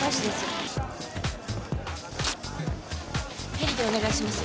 「ヘリでお願いします」